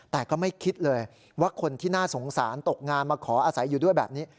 แต่ก็ไม่คิดเลยว่าคนที่น่าสงสารตกงานมาขออาศัยอยู่ด้วยแบบนี้